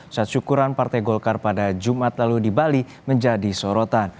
saat syukuran partai golkar pada jumat lalu di bali menjadi sorotan